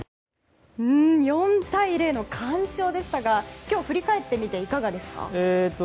４対０の完勝でしたが今日振り返ってみていかがですか？